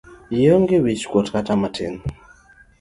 Ionge wich kuot kata matin.